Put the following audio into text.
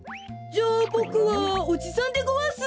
じゃあボクはおじさんでごわす。